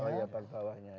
batas bawahnya ya